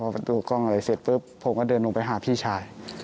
ประตูกล้องอะไรเสร็จปุ๊บผมก็เดินลงไปหาพี่ชาย